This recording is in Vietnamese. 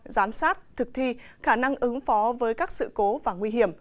giám sát thực thi khả năng ứng phó với các sự cố và nguy hiểm